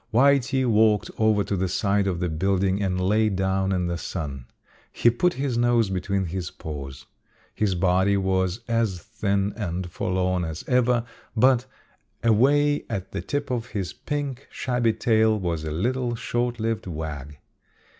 Whitey walked over to the side of the building and lay down in the sun. He put his nose between his paws. His body was as thin and forlorn as ever, but away at the tip of his pink, shabby tail was a little, short lived wag.